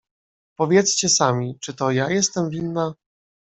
"Powiedzcie sami, czy to ja jestem winna?"